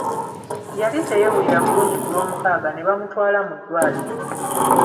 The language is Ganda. Yali teyeewulira bulungi ku Lwomukaaga ne bamutwala mu ddwaliro.